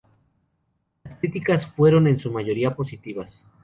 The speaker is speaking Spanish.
Las críticas fueron en su mayoría positivas.